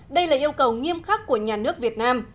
đây là yêu cầu nghiêm khắc của nhà nước việt nam